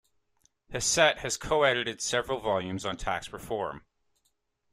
Hassett has coedited several volumes on tax reform.